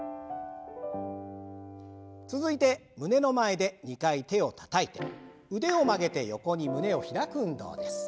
続いて胸の前で２回手をたたいて腕を曲げて横に胸を開く運動です。